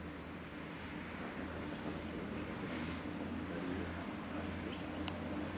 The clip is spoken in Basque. Taldeak arrakasta lortu du hedadura handiko komunikabideetan agertu ez arren.